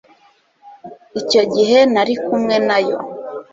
Icyo gihe nari kumwe na yo